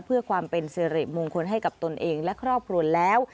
เพื่อความเป็นสิริมงคลให้กับตนเองและครอบครัวแล้ว